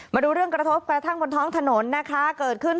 มาดูเรื่องกระทบกระทั่งบนท้องถนนนะคะเกิดขึ้น